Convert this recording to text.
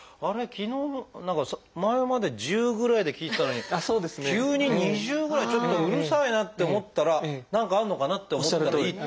昨日の何か前まで１０ぐらいで聞いてたのに急に２０ぐらいちょっとうるさいなって思ったら何かあるのかな？って思ったらいいってことですね。